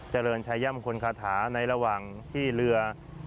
เจริญชาย่ำคนคาถาในระหว่างที่เรือ